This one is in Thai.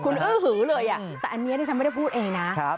คุณอื้อหือเลยแต่อันนี้ที่ฉันไม่ได้พูดเองนะ